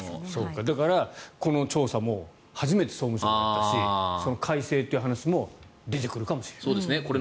だから、この調査も初めて総務省がやったし改正という話も出てくるかもしれない。